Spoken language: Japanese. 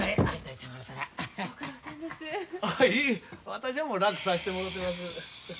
私はもう楽さしてもろてます。